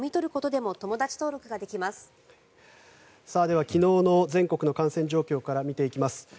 では、昨日の全国の感染状況から見ていきます。